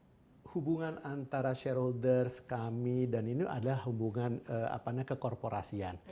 ada hubungan antara shareholder kami dan ini adalah hubungan ke korporasian